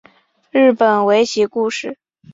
日本围棋故事